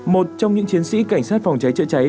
một trong những chiến sĩ cảnh sát phòng cháy chữa cháy